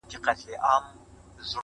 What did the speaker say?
یوه خولگۍ خو مسته، راته جناب راکه.